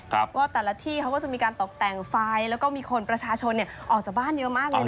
ว่าแต่ละที่เขาก็จะมีการตกแต่งไฟแล้วก็มีคนประชาชนเนี่ยออกจากบ้านเยอะมากเลยนะ